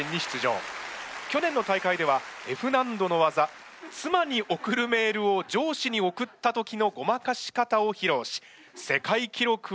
去年の大会ではＦ難度の技「妻に送るメールを上司に送った時のごまかし方」をひろうし世界記録を出しました。